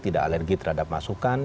tidak alergi terhadap masukan